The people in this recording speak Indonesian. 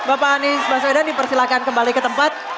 bapak anies baswedan dipersilakan kembali ke tempat